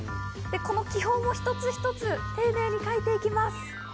この気泡も一つ一つ丁寧に描いていきます。